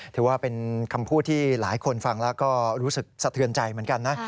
ถือว่าเป็นคำพูดที่หลายคนฟังแล้วก็รู้สึกสะเทือนใจเหมือนกันนะ